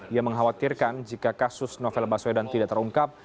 ia mengkhawatirkan jika kasus novel baswedan tidak terungkap